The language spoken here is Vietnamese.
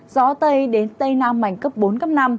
gió tây đến tây nam mạnh cấp bốn cấp năm